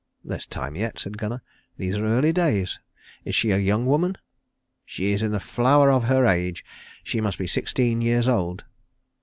"There's time yet," said Gunnar; "these are early days. Is she a young woman?" "She is in the flower of her age. She must be sixteen years old."